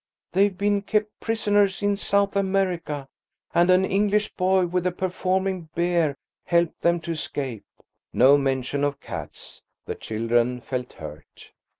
They've been kept prisoners in South America, and an English boy with a performing bear helped them to escape." No mention of cats. The children felt hurt.